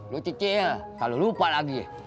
lo cicil kalau lupa lagi